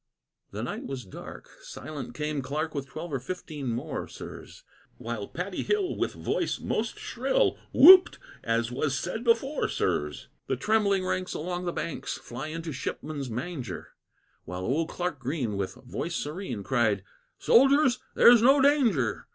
The night was dark, silent came Clark With twelve or fifteen more, sirs; While Paddy Hill, with voice most shrill, Whooped! as was said before, sirs. The trembling ranks along the banks Fly into Shipman's manger; While old Clark Green, with voice serene, Cried, "Soldiers, there's no danger.